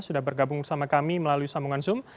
sudah bergabung bersama kami melalui sambungan zoom